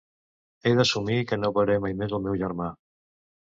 He d'assumir que no veuré mai més el meu germà...